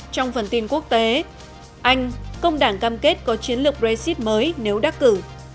trong phần tin quốc tế anh công đảng cam kết có chiến lược brexit mới nếu đắc cử